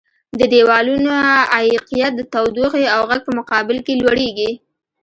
د دیوالونو عایقیت د تودوخې او غږ په مقابل کې لوړیږي.